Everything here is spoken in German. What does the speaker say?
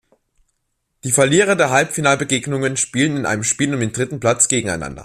Die Verlierer der Halbfinalbegegnungen spielten in einem Spiel um den dritten Platz gegeneinander.